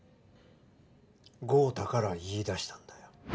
豪太から言い出したんだよ。